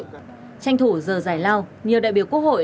tranh thủ giờ giải lao nhiều đại biểu quốc hội